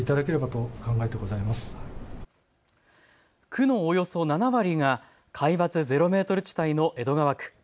区のおよそ７割が海抜ゼロメートル地帯の江戸川区。